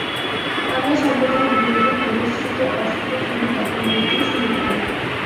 আমরা সাম্প্রদায়িক বিরোধের দূরশ্রুত অস্ফুটধ্বনি তখন হইতেই শুনিতে পাই।